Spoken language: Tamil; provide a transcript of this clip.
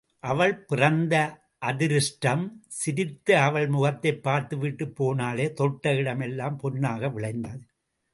அவள் பிறந்த அதிருஷ்டம் சிரித்த அவள் முகத்தைப் பார்த்துவிட்டுப் போனாலே தொட்ட இடம் எல்லாம் பொன்னாக விளைந்தது.